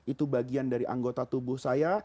itu bagian dari anggota tubuh saya